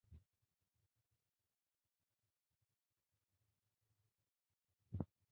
আমি তোমাদের জন্য এক বিশ্বস্ত রাসূল এবং তোমরা আল্লাহর বিরুদ্ধে ঔদ্ধত্য প্রকাশ করো না।